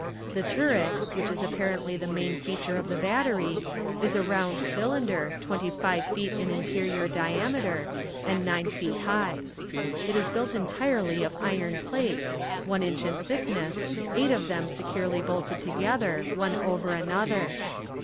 The turret, which is apparently the main feature of the battery, is a round cylinder, twenty feet in interior diameter, and nine feet high. It is built entirely of iron plates, one inch in thickness, eight of them securely bolted together, one over another.